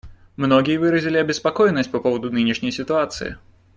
Многие выразили обеспокоенность по поводу нынешней ситуации.